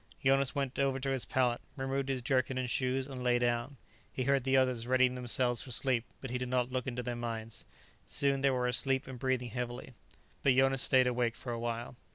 Jonas went over to his pallet, removed his jerkin and shoes, and lay down. He heard the others readying themselves for sleep, but he did not look into their minds. Soon they were asleep and breathing heavily. But Jonas stayed awake for a while.